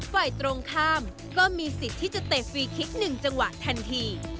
ฝ่ายตรงข้ามก็มีสิทธิ์ที่จะเตะฟรีคลิก๑จังหวะทันที